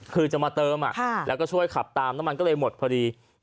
คือจะมาเติมแล้วก็ช่วยขับตามน้ำมันก็เลยหมดพอดี